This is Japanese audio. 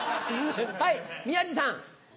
はい宮治さん！